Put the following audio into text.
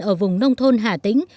ở vùng nông thôn hà tĩnh